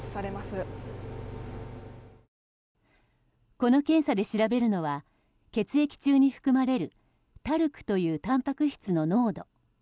この検査で調べるのは血液中に含まれるＴＡＲＣというたんぱく質の濃度。